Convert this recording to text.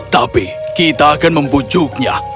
tapi kita akan membujuknya